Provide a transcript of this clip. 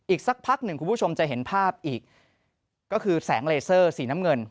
สักพักหนึ่งคุณผู้ชมจะเห็นภาพอีกก็คือแสงเลเซอร์สีน้ำเงิน